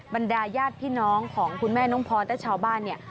บรรดาญาติพี่น้องของคุณแม่น้องพรและชาวบ้านเนี่ย